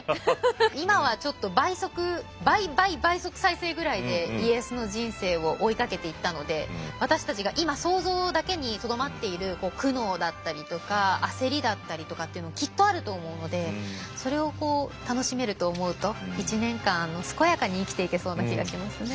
今はちょっと倍速倍倍倍速再生ぐらいで家康の人生を追いかけていったので私たちが今想像だけにとどまっている苦悩だったりとか焦りだったりとかっていうのもきっとあると思うのでそれをこう楽しめると思うと１年間健やかに生きていけそうな気がしますね。